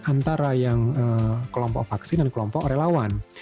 antara yang kelompok vaksin dan kelompok relawan